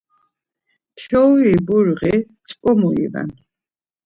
Kyouri burği mç̌ǩomu iven.